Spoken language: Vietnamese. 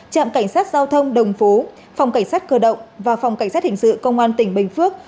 trạm cảnh sát giao thông đồng phố phòng cảnh sát cơ động và phòng cảnh sát hình sự công an tỉnh bình phước